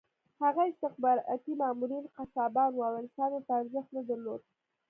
هغه استخباراتي مامورین قصابان وو او انسان ورته ارزښت نه درلود